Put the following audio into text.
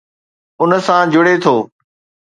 ان سان جڙي ٿو.